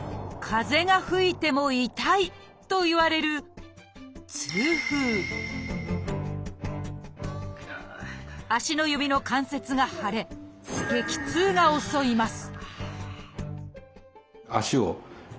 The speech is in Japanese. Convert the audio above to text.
「風が吹いても痛い」といわれる足の指の関節が腫れ激痛が襲います